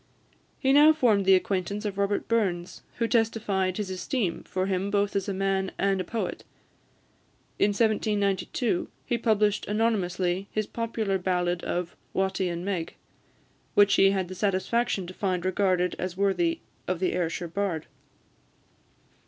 He now formed the acquaintance of Robert Burns, who testified his esteem for him both as a man and a poet. In 1792, he published anonymously his popular ballad of "Watty and Meg," which he had the satisfaction to find regarded as worthy of the Ayrshire Bard.